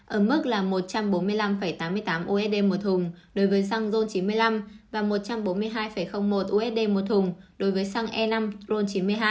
ở mức là một trăm bốn mươi năm tám mươi tám usd một thùng đối với xăng ron chín mươi năm và một trăm bốn mươi hai một usd một thùng đối với xăng e năm ron chín mươi hai